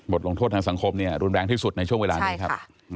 ลงโทษทางสังคมรุนแรงที่สุดในช่วงเวลานี้ครับ